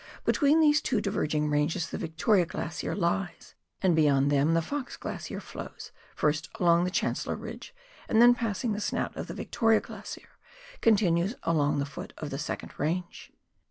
Between these two diverging ranges the Victoria Glacier lies, and bej^ond them the Fox Glacier flows, first along the Chancellor ridge, and then passing the snout of the Victoria Glacier, continues along the foot of the second range.